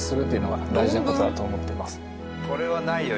これはないよ